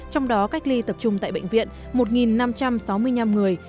trong đó cách ly tập trung tại bệnh viện một năm trăm sáu mươi năm người